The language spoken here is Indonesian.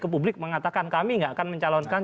ke publik mengatakan kami nggak akan mencalonkan